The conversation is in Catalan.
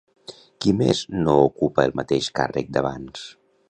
Qui més no ocupa el mateix càrrec d'abans?